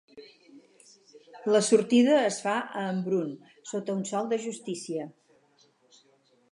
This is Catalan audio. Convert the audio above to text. La sortida es fa a Embrun sota un sol de justícia.